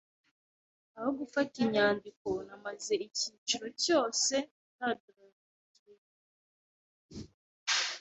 Aho gufata inyandiko, namaze icyiciro cyose doodling.